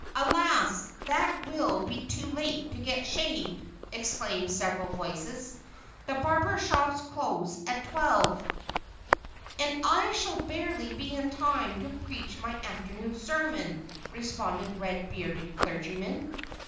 "Alas! that will be too late to get shaved," exclaimed several voices "the barber shops close at twelve." "And I shall barely be in time to preach my afternoon sermon," responded the red bearded clergyman.